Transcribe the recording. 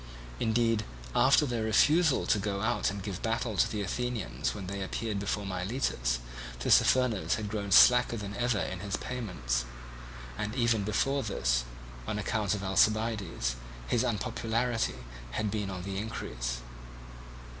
Indeed after their refusal to go out and give battle to the Athenians when they appeared before Miletus, Tissaphernes had grown slacker than ever in his payments; and even before this, on account of Alcibiades, his unpopularity had been on the increase.